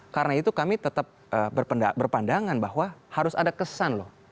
karena itu kami tetap berpandangan bahwa harus ada kesan loh